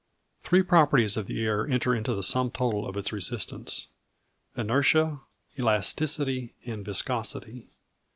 ] Three properties of the air enter into the sum total of its resistance inertia, elasticity, and viscosity.